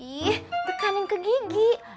ih tekanin ke gigi